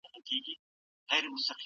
ایمي وايي، "زه د بدن کمزوري احساسوم."